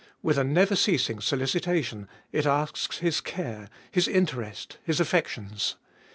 With a never ceasing solicitation it asks his care, his interest, his affections.